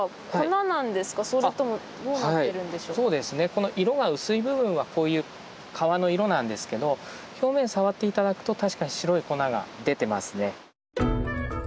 この色が薄い部分はこういう皮の色なんですけど表面触って頂くと確かに白い粉が出てますね。